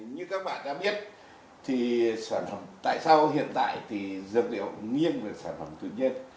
như các bạn đã biết tại sao hiện tại dược liệu nghiêng về sản phẩm tự nhiên